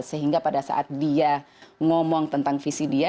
sehingga pada saat dia ngomong tentang visi dia